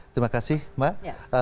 terima kasih mbak